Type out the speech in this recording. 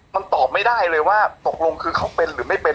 มันตอบไม่ได้เลยว่าตกลงคือเขาเป็นหรือไม่เป็น